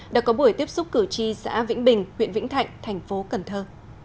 đã có buổi tiếp xúc cử tri xã vĩnh bình huyện vĩnh thạnh tp cần thơ